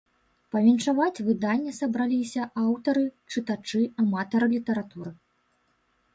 Павіншаваць выданне сабраліся аўтары, чытачы, аматары літаратуры.